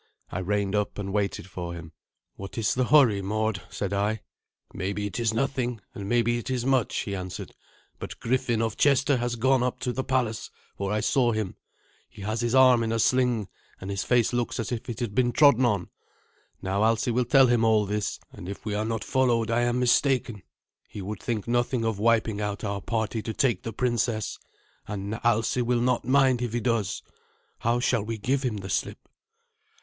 I reined up and waited for him. "What is the hurry, Mord?" said I. "Maybe it is nothing, and maybe it is much," he answered; "but Griffin of Chester has gone up to the palace, for I saw him. He has his arm in a sling, and his face looks as if it had been trodden on. Now Alsi will tell him all this, and if we are not followed I am mistaken. He would think nothing of wiping out our party to take the princess, and Alsi will not mind if he does. How shall we give him the slip?"